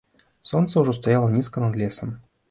Сонца ўжо стаяла нізка над лесам.